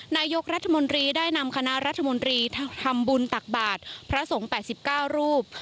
นายกรัฐมนตรีได้นำคณะรัฐมนตรีทำบุญตักบาทพระสงฆ์๘๙รูป